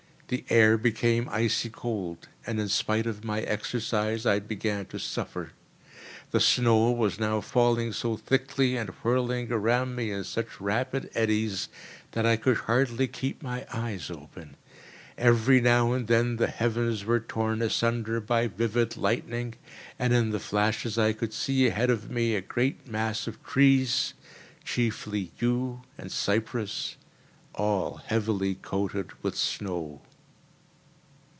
The air became icy cold, and in spite of my exercise I began to suffer. The snow was now falling so thickly and whirling around me in such rapid eddies that I could hardly keep my eyes open. Every now and then the heavens were torn asunder by vivid lightning, and in the flashes I could see ahead of me a great mass of trees, chiefly yew and cypress all heavily coated with snow.